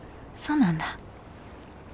そうなんだ